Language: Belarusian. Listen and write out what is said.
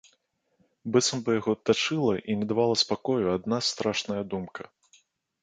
Быццам бы яго тачыла і не давала спакою адна страшная думка.